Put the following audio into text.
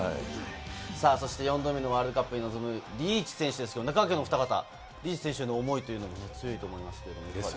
４度目のワールドカップに臨むリーチ選手ですが、中川家のおふた方、リーチ選手への思いも強いと思いますが。